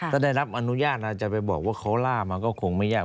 ถ้าได้รับอนุญาตอาจจะไปบอกว่าเขาล่ามาก็คงไม่ยาก